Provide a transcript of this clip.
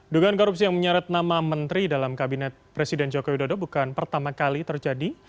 dugaan korupsi yang menyeret nama menteri dalam kabinet presiden jokowi dodo bukan pertama kali terjadi